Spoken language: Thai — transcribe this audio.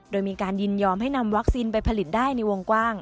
โดยมีการยินยอมให้นำวัคซีนไปผลิตได้ในวงกว้าง